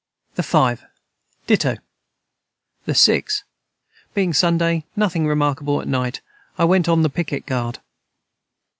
the 5. Dito. the 6. Being Sunday nothing remarkable at night I went on the piquet guard.